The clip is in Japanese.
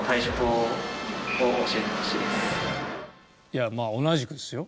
いやまあ同じくですよ。